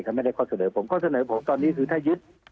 ถ้าไม่ได้ข้อเสนอผมข้อเสนอผมตอนนี้คือถ้ายึด